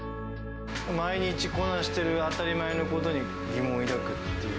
毎日こなしてる当たり前のことに疑問を抱くっていう。